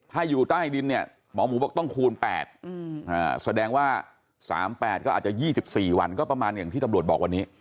ถ้าอยู่ใต้ดินเนี่ยหมอหมูบอกต้องคูณ๘แสดงว่า๓๘ก็อาจจะ๒๔วันก็ประมาณอย่างที่ตำรวจบอกวันนี้